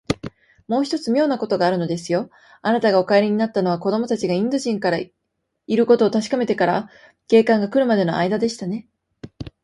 もう一つ、みょうなことがあるのですよ。あなたがお帰りになったのは、子どもたちがインド人がいることをたしかめてから、警官がくるまでのあいだでしたね。